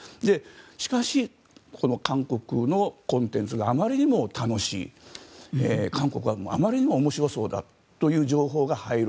しかし、この韓国のコンテンツがあまりにも楽しい韓国はあまりにも面白そうだという情報が入る。